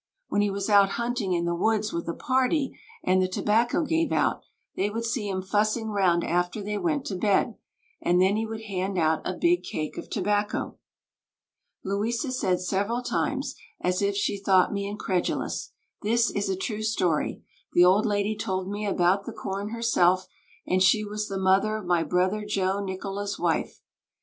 When he was out hunting in the woods with a party and the tobacco gave out, they would see him fussing round after they went to bed, and then he would hand out a big cake of tobacco." Louisa said several times, as if she thought me incredulous, "This is a true story; the old lady told me about the corn herself, and she was the mother of my brother Joe Nicola's wife.